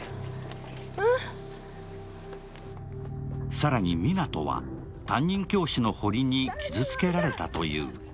更に湊は担任教師の保利に傷つけられたという。